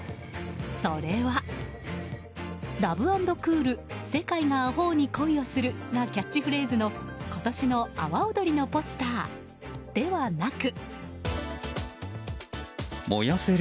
それは「ラブ＆クール世界が阿呆に恋をする」がキャッチフレーズの、今年の阿波おどりのポスターではなく。